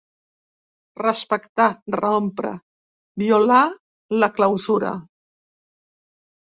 Respectar, rompre, violar, la clausura.